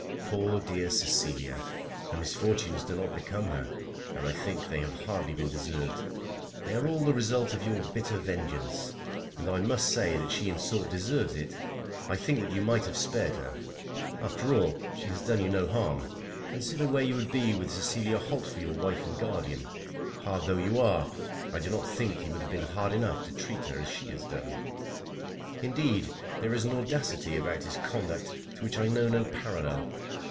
Poor dear Cecilia! her misfortunes do not become her, and I think they have hardly been deserved. They are all the result of your bitter vengeance, and though I must say that she in sort deserves it, I think that you might have spared her. After all she has done you no harm. Consider where you would be with Cecilia Holt for your wife and guardian. Hard though you are, I do not think you would have been hard enough to treat her as he has done. Indeed there is an audacity about his conduct to which I know no parallel.